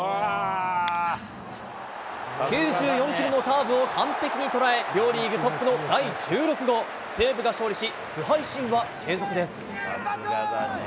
９４キロのカーブを完璧に捉え、両リーグトップの第１６号、西武が勝利し、不敗神話継続です。